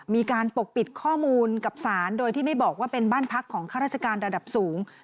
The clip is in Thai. ปกปิดข้อมูลกับสารโดยที่ไม่บอกว่าเป็นบ้านพักของข้าราชการระดับสูง